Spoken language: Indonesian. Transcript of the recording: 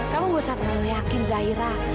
kamu gak usah terlalu yakin zaira